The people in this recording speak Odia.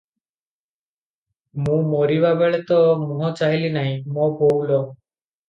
ମୁଁ ମରିବାବେଳେ ତୋ ମୁହଁ ଚାହିଁଲି ନାହିଁ, ମୋ ବୋଉ ଲୋ!